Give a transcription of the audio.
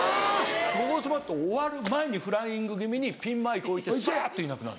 「ゴゴスマ！」って終わる前にフライング気味にピンマイク置いてサっていなくなる。